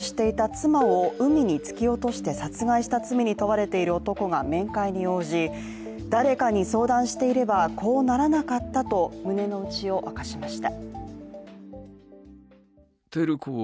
４０年近く介護をしていた妻を海に突き落として殺害した罪に問われている男が面会に応じ誰かに相談していれば、こうならなかったと胸の内を明かしました。